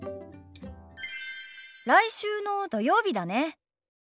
来週の土曜日だね。